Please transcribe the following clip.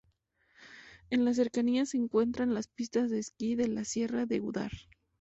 En las cercanías se encuentran las pistas de esquí de la Sierra de Gúdar.